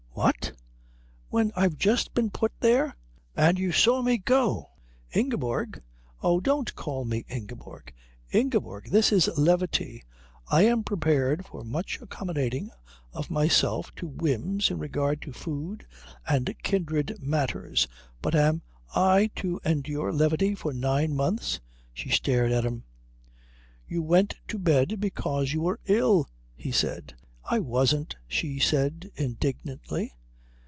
"What? When I've just been put there? And you saw me go?" "Ingeborg " "Oh, don't call me Ingeborg " "Ingeborg, this is levity. I am prepared for much accommodating of myself to whims in regard to food and kindred matters, but am I to endure levity for nine months?" She stared at him. "You went to bed because you were ill," he said. "I wasn't," she said indignantly.